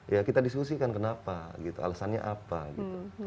ya kita diskusikan kenapa gitu alasannya apa gitu